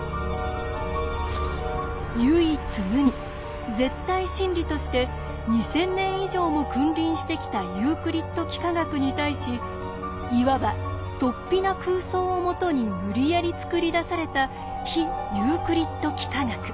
唯一無二絶対真理として２，０００年以上も君臨してきたユークリッド幾何学に対しいわばとっぴな空想を基に無理やり作り出された非ユークリッド幾何学。